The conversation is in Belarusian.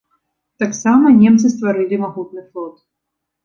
Таксама немцы стварылі магутны флот.